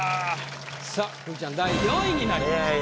さあくーちゃん第４位に入りました。